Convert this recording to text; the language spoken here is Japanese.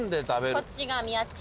こっちがみやっち。